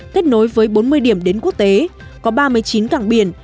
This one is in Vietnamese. kết nối với bốn mươi điểm đến quốc tế có ba mươi chín cảng biển